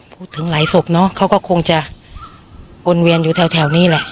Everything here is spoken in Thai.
พูดถึงหลายศพเนอะเขาก็คงจะวนเวียนอยู่แถวนี้แหละ